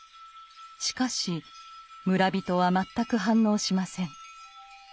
しかし村人は全く反応しません。